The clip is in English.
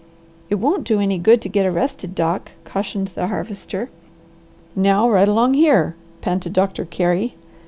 "It won't do any good to get arrested, Doc," cautioned the Harvester. "Now right along here," panted Doctor Carey.